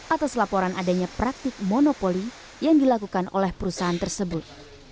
atas laporan adanya praktik monopoli yang dilakukan oleh perusahaan tersebut